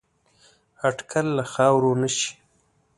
اټکل له خاورو نه شي